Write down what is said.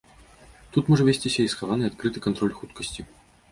Тут можа весціся і схаваны, і адкрыты кантроль хуткасці.